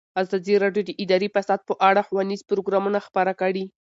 ازادي راډیو د اداري فساد په اړه ښوونیز پروګرامونه خپاره کړي.